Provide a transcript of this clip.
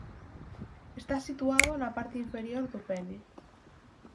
Está situado na parte inferior do pene.